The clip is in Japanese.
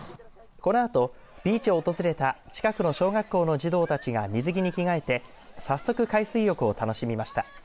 このあと、ビーチを訪れた近くの小学校の児童たちが水着に着がえて早速、海水浴を楽しみました。